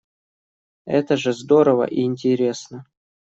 Это же здорово и интересно.